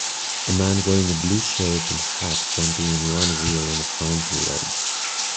a man wearing a blue shirt and hat jumping on one wheel on a fountain ledge